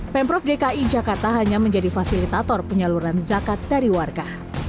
pemprov dki jakarta hanya menjadi fasilitator penyaluran zakat dari warga